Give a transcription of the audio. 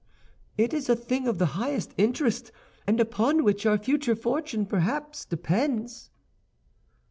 "It is a thing of the highest interest, and upon which our future fortune perhaps depends."